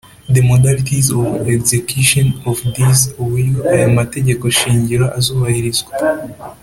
The modalities of execution of these Uburyo aya mategeko shingiro azubahirizwa